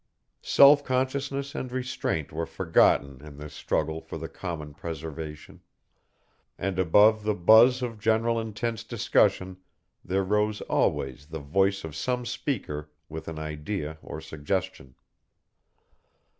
Self consciousness and restraint were forgotten in this struggle for the common preservation, and above the buzz of general intense discussion there rose always the voice of some speaker with an idea or suggestion.